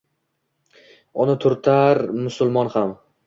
Uni turtar musulmon ham